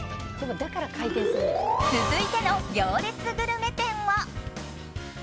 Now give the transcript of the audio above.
続いての行列グルメ店は。